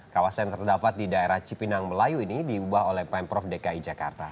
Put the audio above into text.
kawasan yang terdapat di daerah cipinang melayu ini diubah oleh pemprov dki jakarta